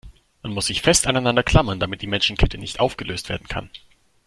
Man muss sich fest aneinander klammern, damit die Menschenkette nicht aufgelöst werden kann.